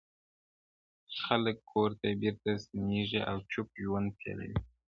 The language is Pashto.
خلک کور ته بېرته ستنېږي او چوپ ژوند پيلوي,